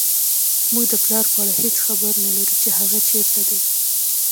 موږ د پلار په اړه هېڅ خبر نه لرو چې هغه چېرته دی